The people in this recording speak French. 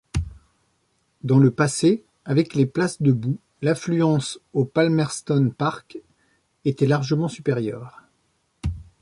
Dans le passé, avec les places debout, l'affluence au Palmerston Park était largement supérieure.